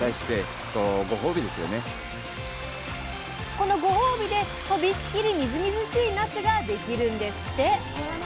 このご褒美でとびっきりみずみずしいなすができるんですって！